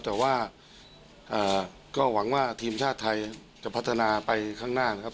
แต่ว่าก็หวังว่าทีมชาติไทยจะพัฒนาไปข้างหน้านะครับ